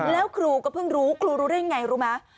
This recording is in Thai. แล้วครูก็เพิ่งรู้ครูรู้ได้ยังไงรู้ไหม